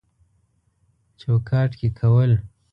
چوکاټ کې کول